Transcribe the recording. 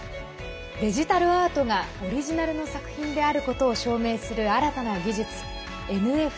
デジタルアートがオリジナルの作品であることを証明する新たな技術、ＮＦＴ。